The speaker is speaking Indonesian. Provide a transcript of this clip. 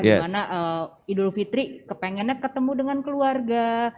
dimana idul fitri kepengennya ketemu dengan keluarga